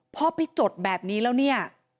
พอไปจดแบบนี้แล้วเนี่ย